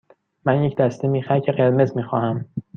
من یک دسته میخک قرمز می خواهم.